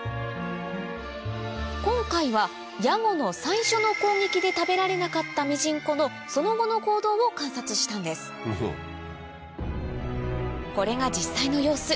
今回はヤゴの最初の攻撃で食べられなかったミジンコのその後の行動を観察したんですこれが実際の様子